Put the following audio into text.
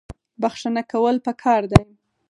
بخښنه کول پکار دي